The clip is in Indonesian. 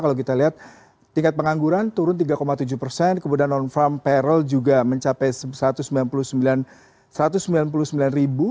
kalau kita lihat tingkat pengangguran turun tiga tujuh persen kemudian non from payrol juga mencapai satu ratus sembilan puluh sembilan ribu